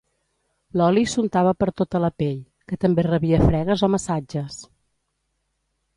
L'oli s'untava per tota la pell, que també rebia fregues o massatges.